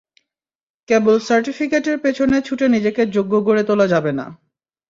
কেবল সার্টিফিকেটের পেছনে ছুটে নিজেকে যোগ্য করে গড়ে তোলা যাবে না।